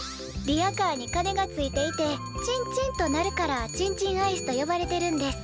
リヤカーにかねがついていてチンチンと鳴るからチンチンアイスと呼ばれてるんです。